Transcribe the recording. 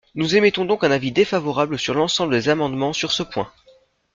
Nous émettons donc un avis défavorable sur l’ensemble des amendements sur ce point.